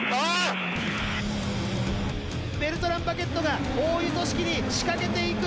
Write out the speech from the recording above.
ベルトラン・バゲットが大湯都史樹に仕掛けていく！